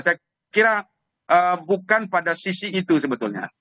saya kira bukan pada sisi itu sebetulnya